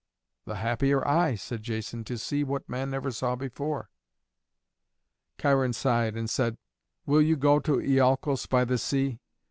"The happier I," said Jason, "to see what man never saw before!" Cheiron sighed and said, "Will you go to Iolcos by the sea?